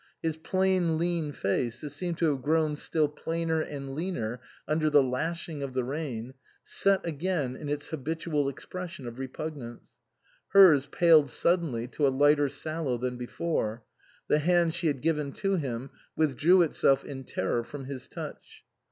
His plain, lean face, that seemed to have grown still plainer and leaner under the lashing of the rain, set again in its habitual ex pression of repugnance ; hers paled suddenly to a lighter sallow than before ; the hand she had given to him withdrew itself in terror from his touch.